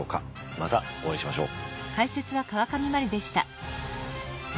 またお会いしましょう。